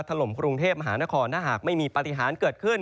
ลมกรุงเทพมหานครถ้าหากไม่มีปฏิหารเกิดขึ้น